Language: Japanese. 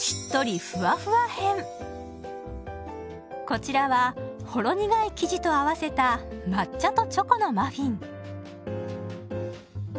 こちらはほろ苦い生地と合わせた抹茶とチョコのマフィン。